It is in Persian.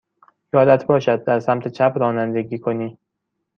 یادت باشد در سمت چپ رانندگی کنی.